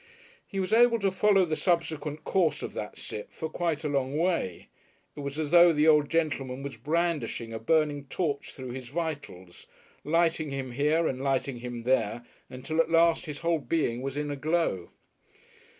He was able to follow the subsequent course of that sip for quite a long way. It was as though the old gentleman was brandishing a burning torch through his vitals, lighting him here and lighting him there until at last his whole being was in a glow.